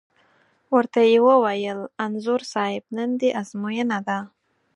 ور ته یې وویل: انځور صاحب نن دې ازموینه ده.